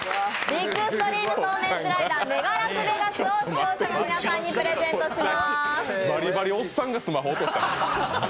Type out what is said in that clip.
ビッグストリームそうめんスライダーメガラスベガス視聴者の皆さんにプレゼントします。